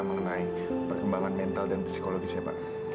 mengenai perkembangan mental dan psikologisnya pak